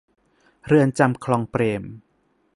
เรือนจำคลองเปรม